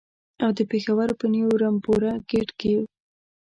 او د پېښور په نیو رمپوره ګېټ کې.